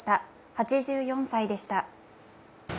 ８４歳でした。